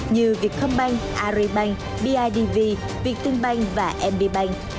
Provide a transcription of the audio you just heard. như vietcombank arribank bidv viettelbank và mbbank